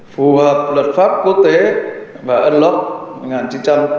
phù hợp luật pháp quốc tế và ân lốc một nghìn chín trăm tám mươi hai